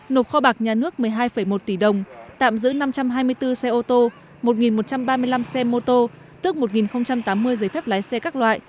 nộp kho bạc nhà nước một mươi hai một tỷ đồng tạm giữ năm trăm hai mươi bốn xe ô tô một một trăm ba mươi năm xe mô tô tước một tám mươi giấy phép lái xe các loại